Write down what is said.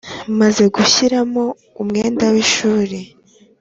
. Maze gushyiramo umwenda w’ishuri